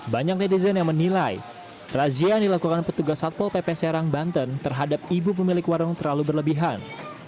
banyak netizen yang menilai razia yang dilakukan petugas satpol pp serang banten terhadap ibu pemilik warung terlalu berlebihan